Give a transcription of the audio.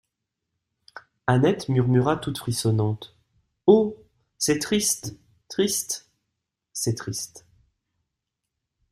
Annette murmura toute frissonnante : «Oh ! c'est triste, triste.» C'est triste.